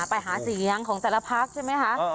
ไปหาเสียงของแต่ละพักใช่ไหมคะ